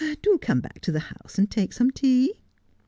' Do come back to the house and take some tea.'